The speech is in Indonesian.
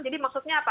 jadi maksudnya apa